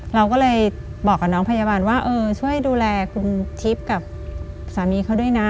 เราก็เลยบอกกับน้องพยาบาลว่าเออช่วยดูแลคุณทิพย์กับสามีเขาด้วยนะ